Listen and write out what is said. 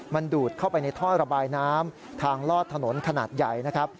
มันดูดเข้าไปในท่อระบายน้ำทางลอดถนนขนาดใหญ่นะครับ